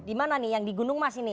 di mana nih yang di gunung mas ini